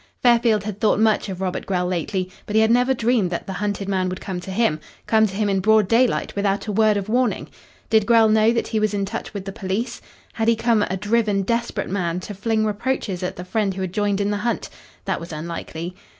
Fairfield had thought much of Robert Grell lately, but he had never dreamed that the hunted man would come to him come to him in broad daylight, without a word of warning. Did Grell know that he was in touch with the police? Had he come, a driven, desperate man, to fling reproaches at the friend who had joined in the hunt? That was unlikely.